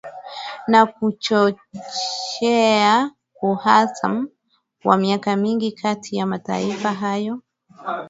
na kuchochea uhasama wa miaka mingi kati ya mataifa hayo